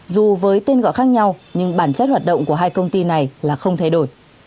dù với tên gọi khác nhau nhưng bản chất hoạt động của hai công ty này là không thay đổi